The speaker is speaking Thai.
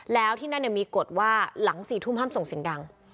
แล้วที่นั่นมีกฎว่าหลัง๔ทุ่มห้ามส่งเสียงดัง